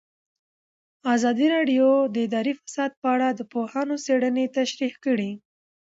ازادي راډیو د اداري فساد په اړه د پوهانو څېړنې تشریح کړې.